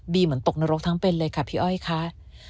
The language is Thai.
เหมือนตกนรกทั้งเป็นเลยค่ะพี่อ้อยค่ะ